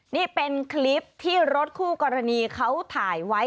นี่เป็นคลิปที่รถคู่กรณีเขาถ่ายไว้